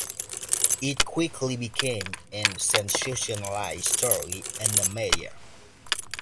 It quickly became a sensationalized story in the media.